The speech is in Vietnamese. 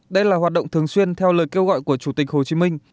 đây là hoạt động thường xuyên theo lời kêu gọi của chủ tịch hồ chí minh